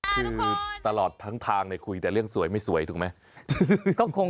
คือตลอดทั้งทางคุยแต่เรื่องสวยไม่สวยถูกไหม